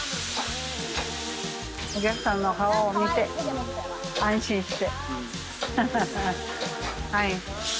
お客さんの顔を見て、安心して。